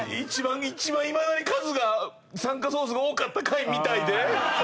一番いまだに数が参加総数が多かった回みたいで。